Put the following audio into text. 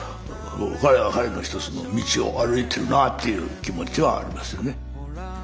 彼は彼の一つの道を歩いているなという気持ちはありますよね。